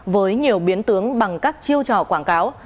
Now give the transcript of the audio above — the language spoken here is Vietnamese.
với nhiều biến tướng bằng các chiêu trò quảng cáo